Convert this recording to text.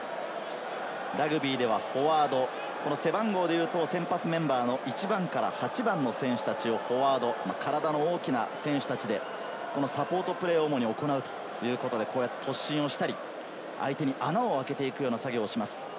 ラグビーではフォワード、背番号でいうと先発メンバーの１番から８番の選手たちをフォワード、体の大きな選手たちでサポートプレーを主に行うということで突進をしたり、相手に穴を開けていくような作業をします。